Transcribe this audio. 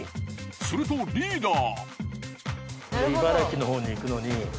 するとリーダー。